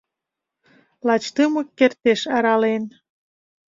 Лач тымык кертеш арален.